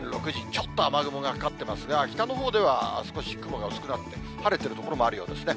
ちょっと雨雲がかかってますが、北のほうでは少し雲が薄くなって、晴れている所もあるようですね。